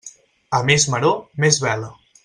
A més maror, més vela.